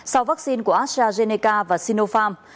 sau vaccine của astrazeneca và sinopharm